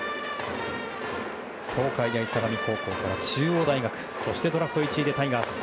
東海大相模高校から中央大学そしてドラフト１位でタイガース。